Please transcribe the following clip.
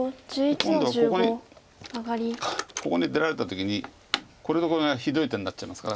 今度はここにここに出られた時にこれとこれがひどい手になっちゃいますから。